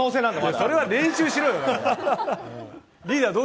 それは練習しろよ。